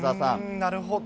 なるほど。